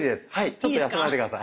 ちょっと休まれて下さい。